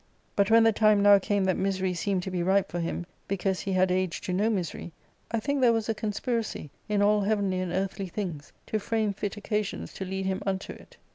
" But when the time now came that misery seemed to be ripe for him, because he had age to know misery, I think there was a conspiracy in all heavenly and earthly things to frame fit occasions to lead him unto it.